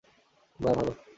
বাহ, ভালো।